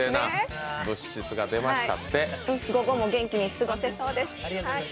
午後も元気に過ごせそうです。